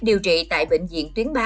điều trị tại bệnh viện tuyến ba